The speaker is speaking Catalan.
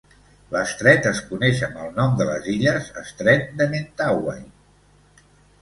L'estret es coneix amb el nom de les illes, estret de Mentawai.